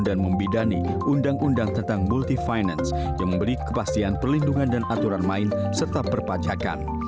dan membidani undang undang tentang multi finance yang memberi kepastian perlindungan dan aturan main serta perpajakan